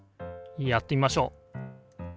やってみましょう。